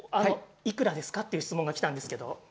いくらですかっていう質問がきたんですけど。